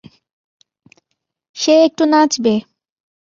সে একটু নাচবে।